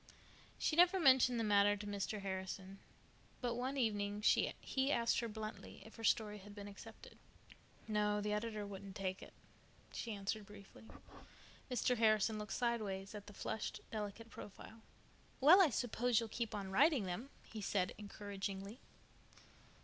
She never mentioned the matter to Mr. Harrison, but one evening he asked her bluntly if her story had been accepted. "No, the editor wouldn't take it," she answered briefly. Mr. Harrison looked sidewise at the flushed, delicate profile. "Well, I suppose you'll keep on writing them," he said encouragingly.